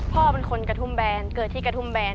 พ่อเป็นคนกระทุ่มแบนเกิดที่กระทุ่มแบน